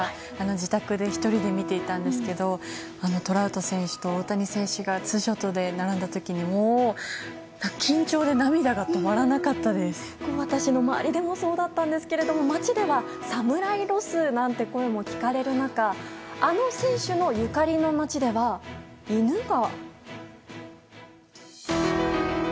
自宅で１人で見ていたんですけどトラウト選手と大谷選手がツーショットで並んだ時に私の周りでもそうだったんですけれども街では侍ロスなんていう言葉も聞かれる中あの選手ゆかりの街では、犬が。